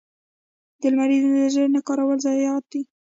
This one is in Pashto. د لمریزې انرژۍ نه کارول ضایعات دي.